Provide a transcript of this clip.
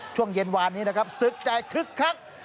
ช่วงเย็นวานนี้นะครับศึกใจคึกคัก